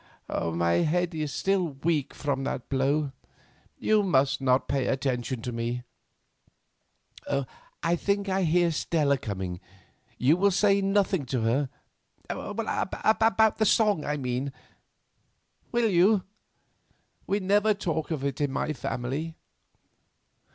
My head is still weak from that blow—you must pay no attention to me. I think that I hear Stella coming; you will say nothing to her—about that song, I mean—will you? We never talk of it in my family."